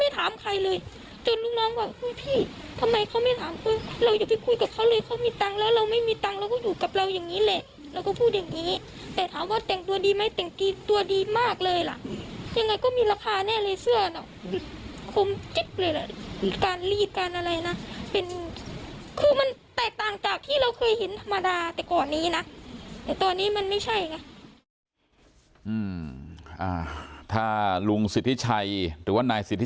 ถ้าลุงสิทธิชัยหรือว่านายสิทธิชัย